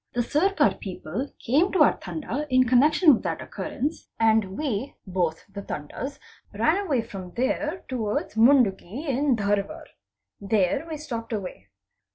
The Sircar people came to our Tanda in connection with that occurrence, and we (both the Tandas) ran away from there towards Munduge in _ Dharwar. There we stopped away.